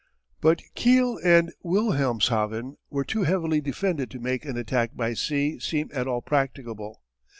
But Kiel and Wilhelmshaven were too heavily defended to make an attack by sea seem at all practicable.